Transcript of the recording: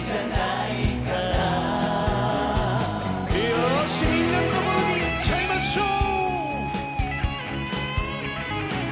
よしみんなのところにいっちゃいましょう！